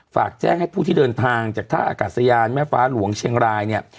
ฝากแจ้งให้ผู้ที่เดินทางจากท่าอากาศยานแม่ฟ้าหลวงเชียงรายเนี่ย